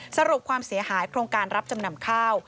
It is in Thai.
สรุปความเสียหายโครงการรับจำนำข้าว